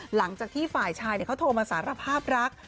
หลังจากที่ฝ่ายชายเขาโทรมาสารภาพรัก